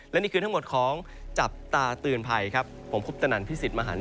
โปรดติดตามตอนต่อไป